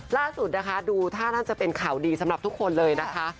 ล่าสุดนะคะดูท่านั้นจะเป็นข่าวดีสำหรับทุกคนเลยนะคะ